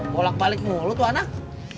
polak palik mulu tuh anak